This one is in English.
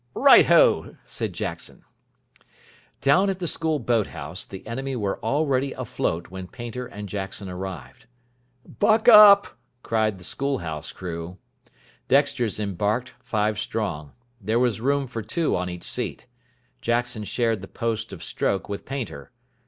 "Right ho," said Jackson. Down at the School boat house the enemy were already afloat when Painter and Jackson arrived. "Buck up," cried the School House crew. Dexter's embarked, five strong. There was room for two on each seat. Jackson shared the post of stroke with Painter.